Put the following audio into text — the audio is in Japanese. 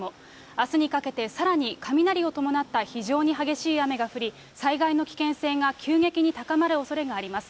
あすにかけて、さらに雷を伴った非常に激しい雨が降り、災害の危険性が急激に高まるおそれがあります。